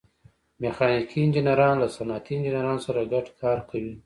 میخانیکي انجینران له صنعتي انجینرانو سره ګډ کار کوي.